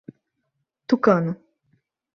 Tucano